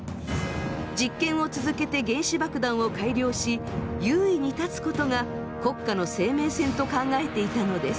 実験を続けて原子爆弾を改良し優位に立つことが国家の生命線と考えていたのです。